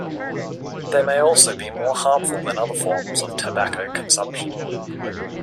They may also be more harmful than other forms of tobacco consumption.